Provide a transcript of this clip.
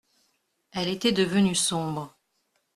Elle était devenue sombre.